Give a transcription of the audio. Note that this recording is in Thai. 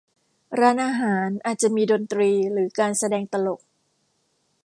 ร้านอาหาร อาจจะมีดนตรีหรือการแสดงตลก